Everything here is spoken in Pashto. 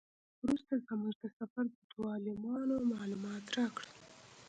وروسته زموږ د سفر دوو عالمانو معلومات راکړل.